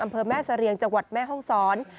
อำเภอแม่เสรียงจังหวัดแม่ห้องศร